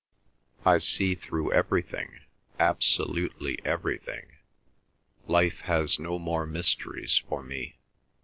"I see through everything—absolutely everything. Life has no more mysteries for me."